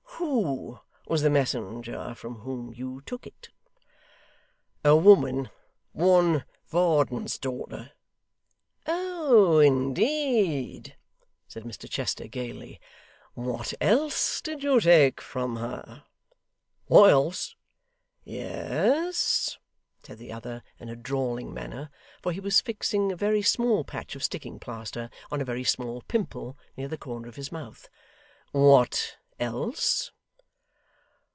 'Who was the messenger from whom you took it?' 'A woman. One Varden's daughter.' 'Oh indeed!' said Mr Chester gaily. 'What else did you take from her?' 'What else?' 'Yes,' said the other, in a drawling manner, for he was fixing a very small patch of sticking plaster on a very small pimple near the corner of his mouth. 'What else?